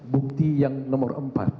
bukti yang nomor empat